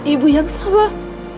ibu yang sabar